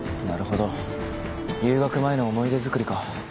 なるほど留学前の思い出づくりか。